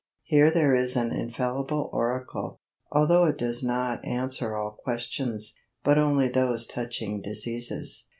Here there is an infallible oracle, although it does not answer all questions, but only those touching diseases.